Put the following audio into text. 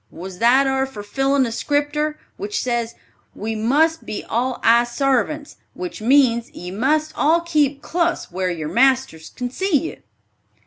Was that ar fulfillin' of Scripter, which says, 'we must be all eye sarvants,' which means ye must all keep clus where yer marsters can see you?"